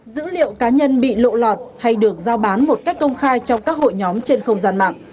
dữ liệu cá nhân bị lộ lọt hay được giao bán một cách công khai trong các hội nhóm trên không gian mạng